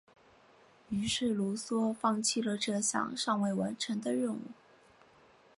于是卢梭放弃了这项尚未完成的任务。